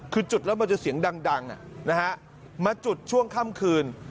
คือจุดแล้วมันจะเสียงดังมาจุดช่วงค่ำคืน